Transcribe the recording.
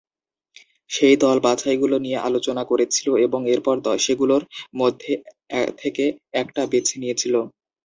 সেই দল বাছাইগুলো নিয়ে আলোচনা করেছিল এবং এরপর সেগুলোর মধ্যে থেকে একটা বেছে নিয়েছিল।